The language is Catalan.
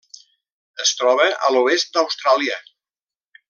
Es troba a l'oest d'Austràlia.